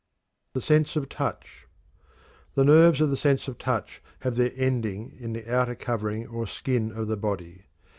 THE SENSE OF TOUCH. The nerves of the sense of touch have their ending in the outer covering or skin of the body.